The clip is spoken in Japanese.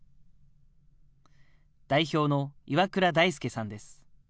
代表の岩倉大輔さんです。